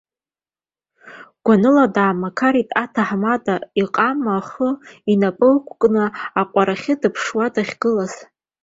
Гәаныла даамақарит аҭаҳмада, иҟама ахы инапы ықәкны, аҟәарахьы днаԥшуа дахьгылаз.